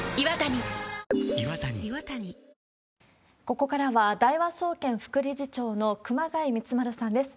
ここからは、大和総研副理事長の熊谷亮丸さんです。